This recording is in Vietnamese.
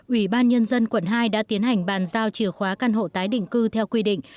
ủy ban nhân dân quận hai đã tiến hành bàn giao chìa khóa căn hộ tái định cư theo quy định